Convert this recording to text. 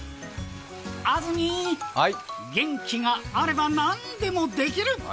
あずみー、元気があれば何でもできる！